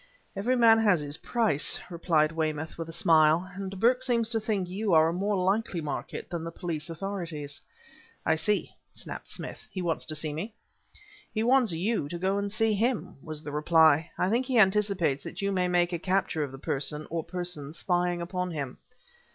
"Every man has his price," replied Weymouth with a smile, "and Burke seems to think that you are a more likely market than the police authorities." "I see," snapped Smith. "He wants to see me?" "He wants you to go and see him," was the reply. "I think he anticipates that you may make a capture of the person or persons spying upon him."